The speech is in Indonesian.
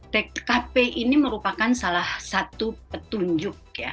tkp ini merupakan salah satu petunjuk ya